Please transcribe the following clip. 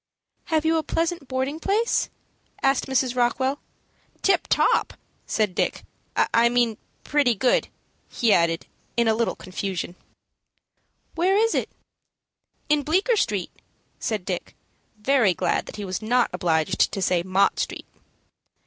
"Have you a pleasant boarding place?" asked Mrs. Rockwell. "Tip top," said Dick. "I mean pretty good," he added, in a little confusion. "Where is it?" "In Bleecker Street," said Dick, very glad that he was not obliged to say Mott Street.